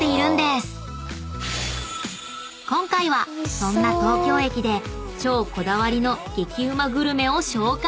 ［今回はそんな東京駅で超こだわりの激ウマグルメを紹介！］